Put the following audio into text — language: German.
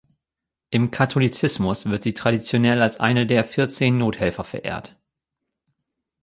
Im Katholizismus wird sie traditionell als eine der Vierzehn Nothelfer verehrt.